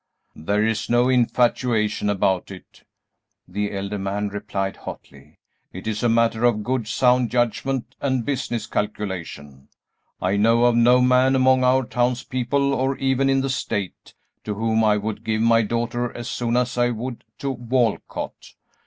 "There is no infatuation about it," the elder man replied, hotly; "it is a matter of good, sound judgment and business calculation. I know of no man among our townspeople, or even in the State, to whom I would give my daughter as soon as I would to Walcott.